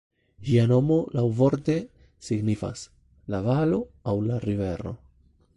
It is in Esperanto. Ĝia nomo laŭvorte signifas "la valo" aŭ "la rivero".